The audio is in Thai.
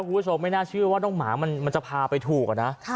คุณผู้ชมไม่น่าเชื่อว่าน้องหมามันจะพาไปถูกอะนะ